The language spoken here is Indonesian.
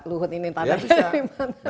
luhut ini tanahnya dimana